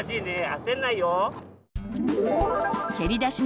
焦んないよ。